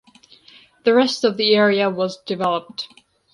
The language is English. The rest of the area was developed.